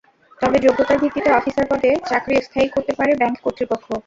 তবে যোগ্যতার ভিত্তিতে অফিসার পদে চাকরি স্থায়ী করতে পারে ব্যাংক কর্তৃপক্ষ।